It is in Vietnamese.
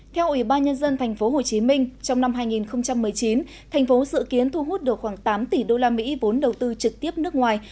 theo ủy ban nhân dân tp hcm trong năm hai nghìn một mươi chín thành phố dự kiến thu hút được khoảng tám tỷ usd vốn đầu tư trực tiếp nước ngoài